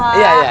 belum ya pak